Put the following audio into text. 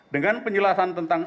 dengan penjelasan tentang